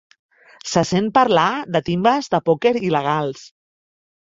Se sent parlar de timbes de pòquer il·legals.